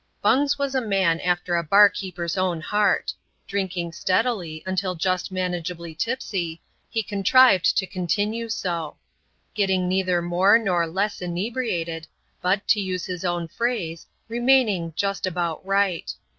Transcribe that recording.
Bungs was a man after a bar keeper's own heart. Drinkmg steadily, until just manageably tipsy, he contrived to confiBve so ; getting neither more nor less inebriated, but, to use his own phrase, remaining "just about right."